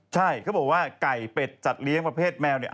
ใช่เขาบอกว่าไก่เป็ดจัดเลี้ยงประเภทแมวเนี่ย